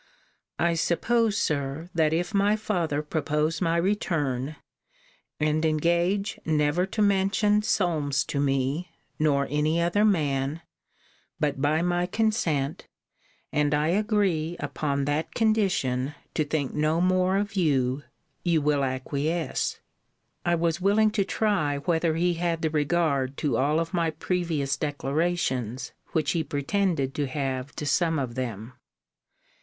I suppose, Sir, that if my father propose my return, and engage never to mention Solmes to me, nor any other man, but by my consent, and I agree, upon that condition, to think no more of you, you will acquiesce. I was willing to try whether he had the regard to all of my previous declarations, which he pretended to have to some of them.